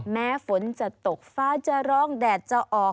แม้ฝนจะตกฟ้าจะร้องแดดจะออก